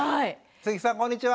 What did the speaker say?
鈴木さんこんにちは。